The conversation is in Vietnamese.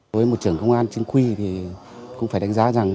với một trưởng công an chính quy thì cũng phải đánh giá rằng